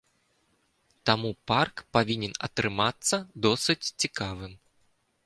Таму парк павінен атрымацца досыць цікавым.